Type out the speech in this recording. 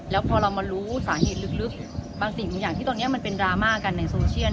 แล้วพอเรามารู้สาเหตุลึกบางสิ่งบางอย่างที่ตอนนี้มันเป็นดราม่ากันในโซเชียล